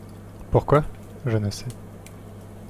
Pourquoi ? je ne sais.